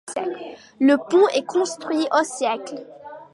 Le pont est construit au siècle.